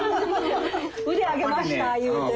腕上げましたいうて。